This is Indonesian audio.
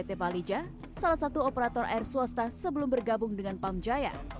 pt palija salah satu operator air swasta sebelum bergabung dengan pamjaya